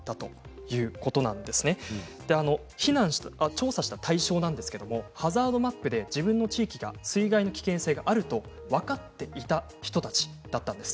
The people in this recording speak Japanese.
調査した対象はハザードマップで自分の地域が水害の危険性があると分かっていた人たちだったんです。